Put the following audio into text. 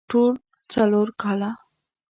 ټول څلور کاله